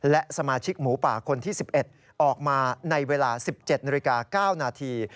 และสมาชิกหมูป่าคนที่๑๑ออกมาในเวลา๑๗นาฬิกา๙นาที